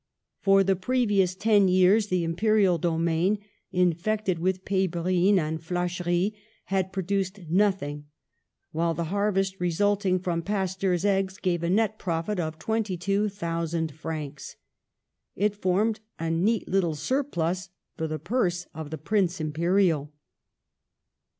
For the previous ten years the imperial domain, infected with pebrine and flacherie, had produced nothing, while the har vest resulting from Pasteur's eggs gave a net profit of twenty two thousand francs. It formed a neat little surplus for the purse of the Prince Imperial.